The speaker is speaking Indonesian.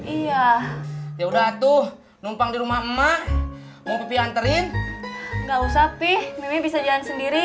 iya ya udah tuh numpang di rumah emak mau pilihan terin enggak usah pih ini bisa jalan sendiri